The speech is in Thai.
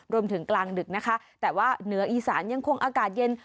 กลางดึกนะคะแต่ว่าเหนืออีสานยังคงอากาศเย็น